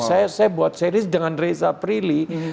saya buat series dengan reza prilly